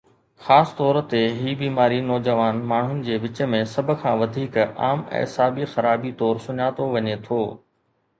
خاص طور تي، هي بيماري نوجوان ماڻهن جي وچ ۾ سڀ کان وڌيڪ عام اعصابي خرابي طور سڃاتو وڃي ٿو